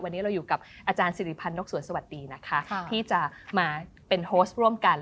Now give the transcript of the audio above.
วันนี้เราอยู่กับอาจารย์สิริพันธ์นกสวนสวัสดีนะคะที่จะมาเป็นโฮสร่วมกัน